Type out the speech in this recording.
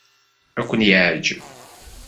Ad ken-yeɛjeb.